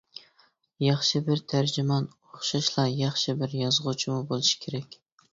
ياخشى بىر تەرجىمان ئوخشاشلا ياخشى بىر يازغۇچىمۇ بولۇشى كېرەك.